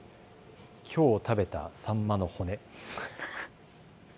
きょう食べたサンマの骨。